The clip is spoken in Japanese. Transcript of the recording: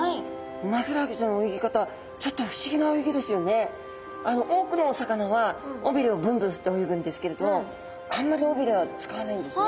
ウマヅラハギちゃんの泳ぎ方あの多くのお魚はおびれをブンブンふって泳ぐんですけれどもあんまりおびれはつかわないんですね。